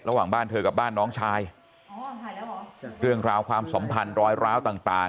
ระหว่างบ้านเธอกับบ้านน้องชายเรื่องราวความสัมพันธ์รอยร้าวต่างต่าง